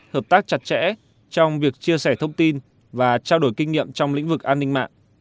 hợp tác chặt chẽ trong việc chia sẻ thông tin và trao đổi kinh nghiệm trong lĩnh vực an ninh mạng